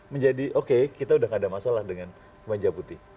menjadi oke kita udah gak ada masalah dengan kemeja putih